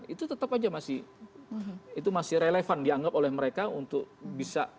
itu tetap saja masih relevan dianggap oleh mereka untuk bisa